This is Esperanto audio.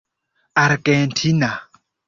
argentina